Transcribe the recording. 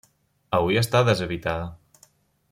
Avui està deshabitada.